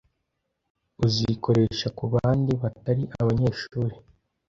uzikoresha kubandi batari abanyeshuri